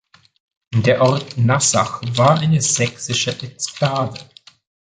Der Ort Nassach war eine sächsische Exklave.